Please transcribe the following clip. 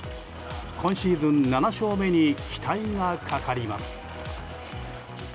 今シーズン７勝目に期待がかかります。